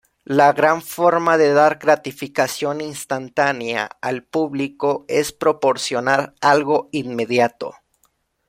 La gran forma de dar gratificación instantánea al público es proporcionar algo inmediato.